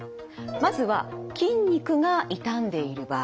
まずは筋肉が痛んでいる場合。